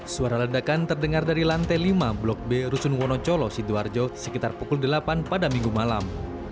suara ledakan terdengar dari lantai lima blok b rusun wonocolo sidoarjo sekitar pukul delapan pada minggu malam